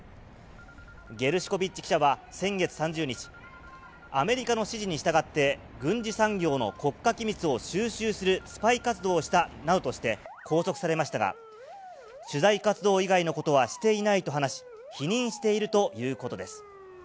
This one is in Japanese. ゲルシコビッチ記者は、先月３０日、アメリカの指示に従って、軍事産業の国家機密を収集するスパイ活動をしたなどとして拘束されましたが、取材活動以外のことはしていないと話し、否認しているということです。